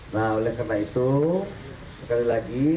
nah oleh karena itu sekali lagi